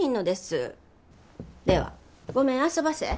ではごめんあそばせ。